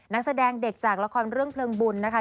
นักแสดงเด็กจากละครเรื่องเพลิงบุญนะคะ